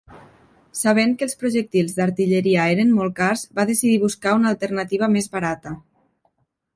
Sabent que els projectils d'artilleria eren molt cars, va decidir buscar una alternativa més barata.